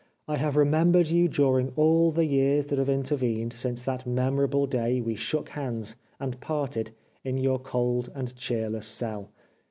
I have remembered you during all the years that have intervened since that memorable day we shook hands and parted in your cold and cheerless cell.